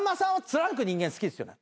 貫く人間好きですよね？